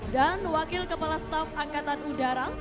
dan wakil kepala staff angkatan udara